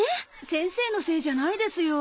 先生のせいじゃないですよ。